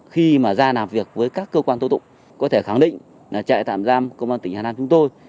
khi mà ra làm việc với các cơ quan tố tụng có thể khẳng định trại tạm giam công an tỉnh hà nam chúng tôi